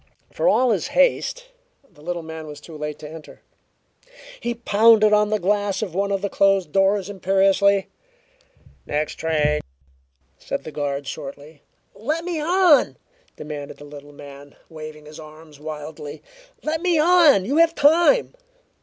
For all his haste, the little man was too late to enter. He pounded on the glass of one of the closed doors imperiously. "Next train," said the guard shortly. "Let me on!" demanded the little man, waving his arms wildly. "Let me on! You have time!"